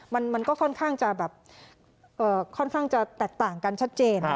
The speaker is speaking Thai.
มันก็ค่อนข้างจะแบบค่อนข้างจะแตกต่างกันชัดเจน